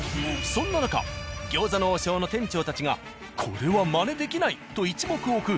そんな中「餃子の王将」の店長たちがこれはまねできない！と一目置く。